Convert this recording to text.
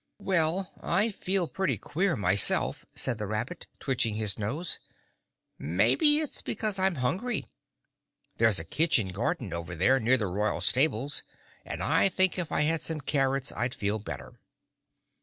"Well, I feel pretty queer, myself," said the rabbit, twitching his nose. "Maybe it's because I'm hungry. There's a kitchen garden over there near the royal stables and I think if I had some carrots I'd feel better."